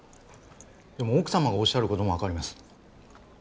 でも奥さまがおっしゃることも分かります。